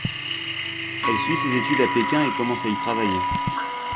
Elle suit ses études à Pékin et commence a y travailler.